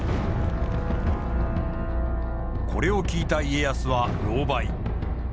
これを聞いた家康はろうばい。